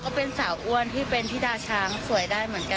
โอ้โฮนี่มองลงหรือยังคะ